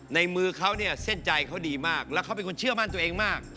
ในมือเขาเนี่ยเส้นใจเขาดีมากแล้วเขาเป็นคนเชื่อมั่นตัวเองมาก